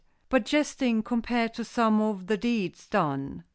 But jesting compared to some of the deeds done.